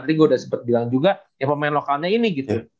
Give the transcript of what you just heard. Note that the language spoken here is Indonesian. tadi gue udah sempat bilang juga ya pemain lokalnya ini gitu